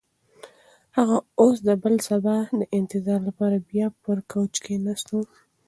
هغه اوس د بل سبا د انتظار لپاره بیا پر کوچ کښېناسته.